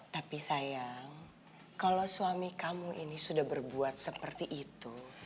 tapi sayang kalau suami kamu ini sudah berbuat seperti itu